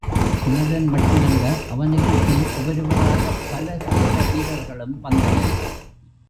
குமரன் மட்டுமல்ல, அவனுக்குப்பின் ஒவ்வொருவராகப் பல சேர வீரர்களும் வந்தனர்.